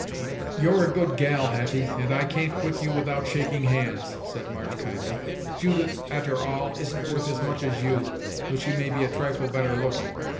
"You're a good gal, Hetty, and I can't quit you without shaking hands," said March kindly. "Judith, a'ter all, isn't worth as much as you, though she may be a trifle better looking.